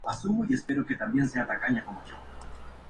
Existen vuelos regulares desde Punta Arenas.